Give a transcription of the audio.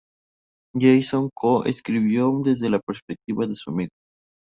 Jason co-escribió desde la perspectiva de su amigo.